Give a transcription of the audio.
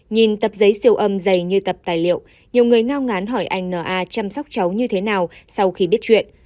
nhìn tập giấy siêu âm dày như tập tài liệu nhiều người ngao ngán hỏi anh na chăm sóc cháu như thế nào sau khi biết chuyện